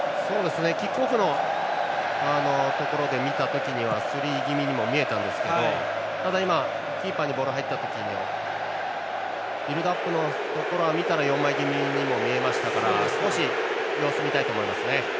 キックオフのところで見た時にはスリー気味にも見えたんですけどキーパーにボールが入った時のビルドアップのところは見たら４枚気味にも見えましたから少し、様子見たいと思いますね。